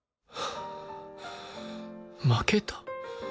負けた？